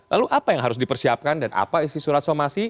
lalu apa yang harus dipersiapkan dan apa isi surat somasi